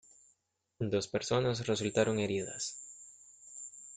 Dos personas resultaron heridas.